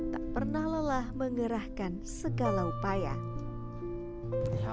tak pernah lelah mengerahkan segala upaya